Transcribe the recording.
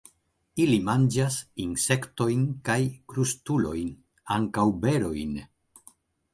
Ili manĝas insektojn kaj krustulojn; ankaŭ berojn.